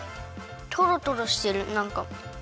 トロトロしてるなんか。